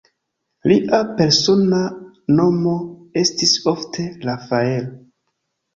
Lia persona nomo estis ofte "Rafael".